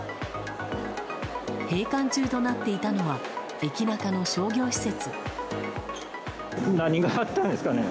閉館中となっていたのは駅ナカの商業施設。